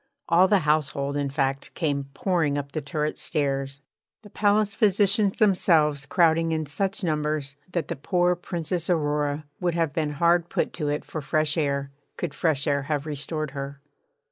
All the household, in fact, came pouring up the turret stairs; the palace physicians themselves crowding in such numbers that the poor Princess Aurora would have been hard put to it for fresh air could fresh air have restored her.